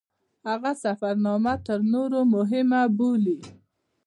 هغه سفرنامه تر نورو مهمه بولي.